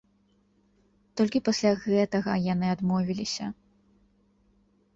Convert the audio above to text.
Толькі пасля гэтага яны адмовіліся.